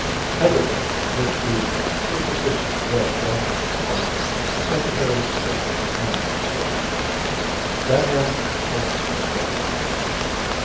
Hesitant, with the superstitious dread growing in his heart, the Secretary stood with his hand on the switch. That hand pulled the switch down....